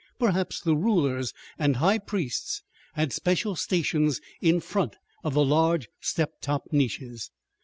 Perhaps the rulers and high priests had special stations in front of the large, step topped niches.